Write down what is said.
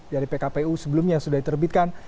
dari pkpu sebelumnya sudah diterbitkan